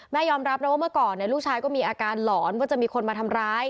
ยอมรับนะว่าเมื่อก่อนลูกชายก็มีอาการหลอนว่าจะมีคนมาทำร้าย